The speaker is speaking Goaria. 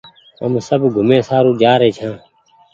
هم سب گھومي سآرو جآري ڇآن